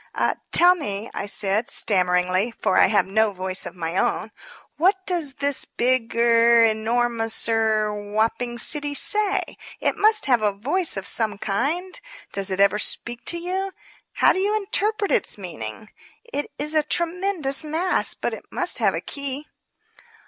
"Tell me," I said, stammeringly, for I have no voice of my own, "what does this big er enormous er whopping city say? It must have a voice of some kind. Does it ever speak to you? How do you interpret its meaning? It is a tremendous mass, but it must have a key."